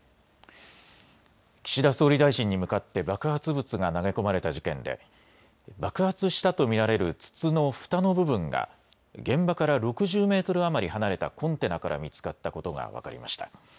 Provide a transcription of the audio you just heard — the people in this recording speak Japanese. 岸田総理大臣に向かって爆発物が投げ込まれた事件で爆発したと見られる筒のふたの部分が現場から６０メートル余り離れたコンテナから見つかったことが分かりました。